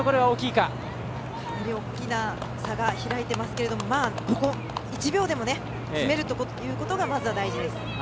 かなり大きな差が開いてますけどここ、１秒でも詰めるということがまずは大事です。